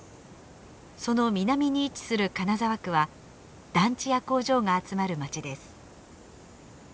その南に位置する金沢区は団地や工場が集まる街です。